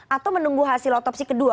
atau menunggu hasil otopsi kedua